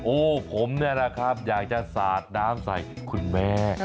โอ้ผมนะครับอยากจะสาดน้ำใส่คุณแม่